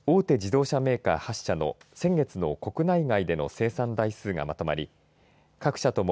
自動車メーカー８社の先月の国内外での生産台数がまとまり